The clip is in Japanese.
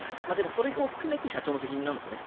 それを含めて社長の責任なんですよね。